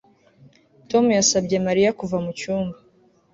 Tom yasabye Mariya kuva mu cyumba